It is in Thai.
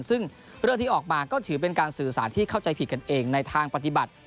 ซึ่งเรื่องที่ออกมาก็ถือเป็นการสื่อสารที่เข้าใจผิดกันเองในทางปฏิบัติ